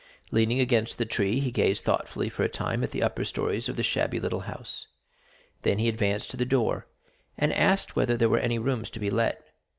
Leaning against the tree, he gazed thoughtfully for a time at the upper stories of the shabby little house. Then he advanced to the door, and asked whether there were any rooms to be let.